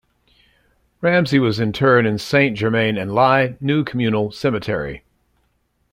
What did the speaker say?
Ramsay was interred in Saint-Germain-en-Laye New Communal Cemetery.